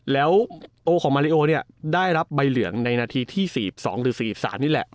แล้วโอของมาริโอเนี่ยได้รับใบเหลืองในนาทีที่๔๒หรือ๔๓นี่แหละ